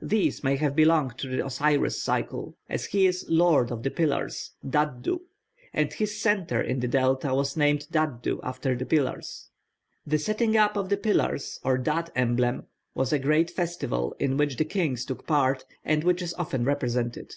These may have belonged to the Osiris cycle, as he is 'lord of the pillars' (daddu), and his centre in the Delta was named Daddu from the pillars. The setting up of the pillars or dad emblem was a great festival in which the kings took part, and which is often represented.